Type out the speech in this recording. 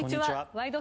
「ワイド！